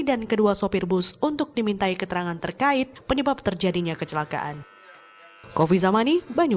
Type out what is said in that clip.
dan kedua sopir bus untuk dimintai keterangan terkait penyebab terjadinya kecelakaan